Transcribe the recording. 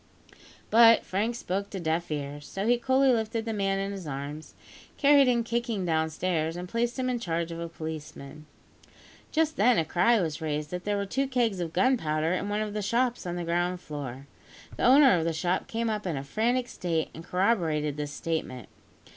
But Frank spoke to deaf ears; so he coolly lifted the man in his arms, carried him kicking downstairs, and placed him in charge of a policeman. Just then, a cry was raised that there were two kegs of gunpowder in one of the shops on the ground floor. The owner of the shop came up in a frantic state, and corroborated this statement.